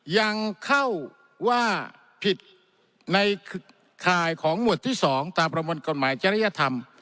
ยังเข้าว่าผิดในข่ายของหมวดที่๒ตามประมวลกฎหมายจริยธรรม